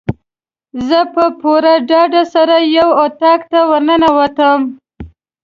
زه په پوره ډاډ سره یو اطاق ته ورننوتم.